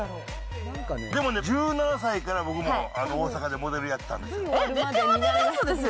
でもね、１７歳から、僕も大阪でモデルやってたんですよ。